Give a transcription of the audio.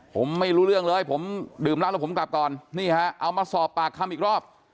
ผมไม่รู้เรื่องเลยผมดื่มเหล้าแล้วผมกลับก่อนนี่ฮะเอามาสอบปากคำอีกรอบ